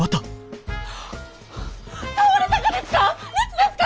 倒れたがですか？